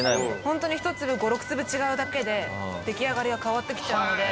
ホントに１粒５６粒違うだけで出来上がりが変わってきちゃうので。